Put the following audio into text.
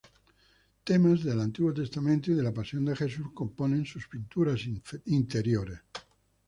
Temas del Antiguo Testamento y de la Pasión de Jesús componen sus pinturas interiores.